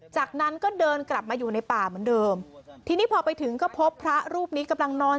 จากนั้นก็เดินกลับมาอยู่ในป่าเหมือนเดิมทีนี้พอไปถึงก็พบพระรูปนี้กำลังนอน